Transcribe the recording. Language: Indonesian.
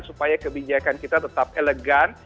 supaya kebijakan kita tetap elegan